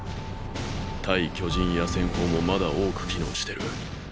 対巨人野戦砲もまだ多く機能してる。